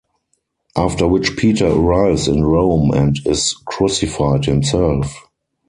After which Peter arrives in Rome and is crucified himself.